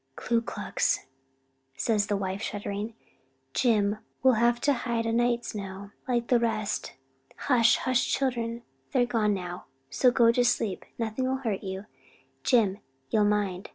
"Ku Klux!" says the wife shuddering. "Jim, we'll have to hide o' nights now, like the rest. Hush, hush, children, they're gone now; so go to sleep; nothing'll hurt ye. Jim, ye'll mind?"